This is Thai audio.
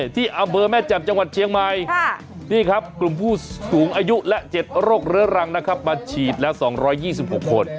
ที่อำเภอแม่จำจังหวัดเชียงมายที่ครับกลุ่มผู้สูงอายุและเจ็ดโรคเรื้อรังมาฉีดแล้ว๒๒๖คน